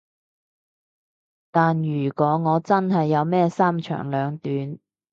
但如果我真係有咩三長兩短